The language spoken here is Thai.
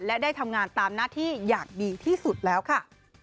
และได้ทำงานตามหน้าที่อย่างดีที่สุดแล้วค่ะ